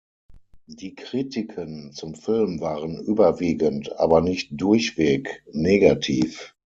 Die Kritiken zum Film waren überwiegend, aber nicht durchweg negativ.